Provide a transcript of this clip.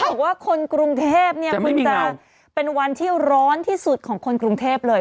บอกว่าคนกรุงเทพเนี่ยคุณจะเป็นวันที่ร้อนที่สุดของคนกรุงเทพเลย